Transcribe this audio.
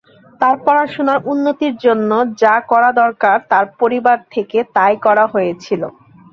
তার পড়াশোনার উন্নতির জন্য যা করা দরকার তার পরিবার থেকেই তাই করা হয়েছিল।